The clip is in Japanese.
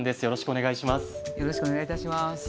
よろしくお願いします。